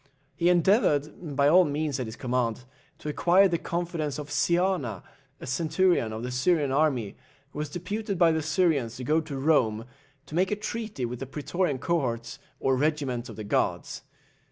He endeavoured, by all means at his command, to acquire the confidence of Siana, a centurion of the Syrian army, who was deputed by the Syrians to go to Rome, to make a treaty with the Pretorian cohorts, or regiments of the guards.